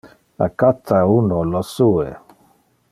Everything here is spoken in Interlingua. A cata uno lo sue!